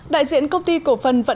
đại diện công ty cổ phân văn văn